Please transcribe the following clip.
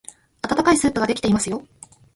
あたたかいスープができていますよ。